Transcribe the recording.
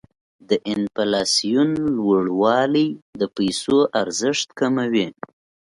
د انفلاسیون لوړوالی د پیسو ارزښت کموي.